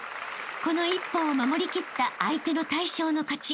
［この一本を守りきった相手の大将の勝ち］